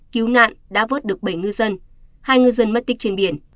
cứu nạn đã vớt được bảy ngư dân hai ngư dân mất tích trên biển